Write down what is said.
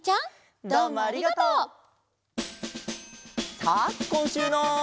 さあこんしゅうの。